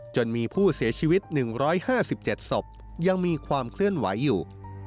จนมีผู้เสียชีวิต๑๕๗ศพยังมีความเคลื่อนไหวอยู่